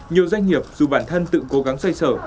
nhiều doanh nghiệp dù bản thân tự cố gắng xoay sở